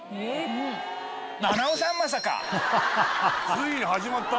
ついに始まった！